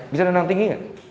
bisa dendam tinggi nggak